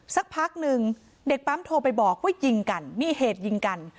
สักพักหนึ่งเด็กปั๊มโทรไปบอกว่ายิงกันมีเหตุยิงกัน